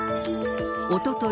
おととい